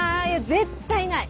絶対ない。